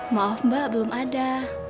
maaf mbak belum ada